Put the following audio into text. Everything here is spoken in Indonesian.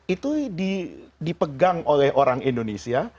itu dipegang oleh orang indonesia